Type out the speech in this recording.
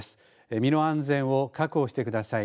身の安全を確保してください。